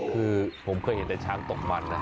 คือผมเคยเห็นได้ช้างตกมัน